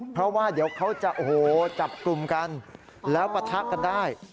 เพราะว่าเดี๋ยวเขาจะโอ้โหจับกลุ่มกันแล้วปะทะกันได้